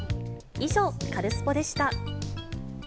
以上、カルスポっ！でした。